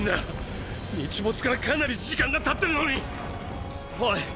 ⁉日没からかなり時間がたってるのに⁉オイ！